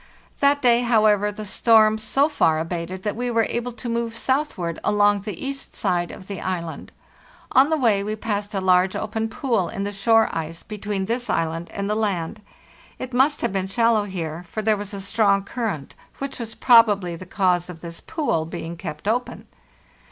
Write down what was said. That day, however, the storm so far abated that we were able to move southward along the east side of the island. On the way we passed a large open pool in the shore ice between this island and the land. It must have been shallow here, for there was a strong current, which was probably the cause of this pool being kept open.